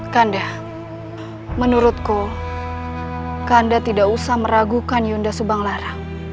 kanda menurutku kanda tidak usah meragukan yunda subanglarang